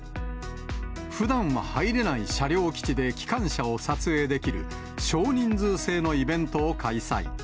ふだんは入れない車両基地で機関車を撮影できる、少人数制のイベントを開催。